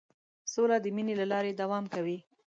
سوله د مینې له لارې دوام کوي.